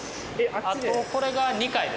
あとこれが２回ですね。